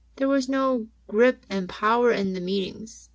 There was no grip and power in the meetings.